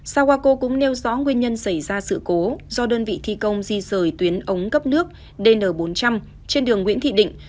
sawako cũng nêu rõ nguyên nhân xảy ra sự cố do đơn vị thi công di rời tuyến ống cấp nước dn bốn trăm linh trên đường nguyễn thị định